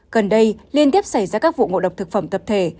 gần đây liên tiếp xảy ra các vụ ngộ độc thực phẩm tập thể